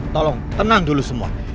tolong tenang dulu semua